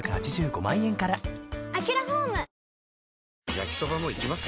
焼きソバもいきます？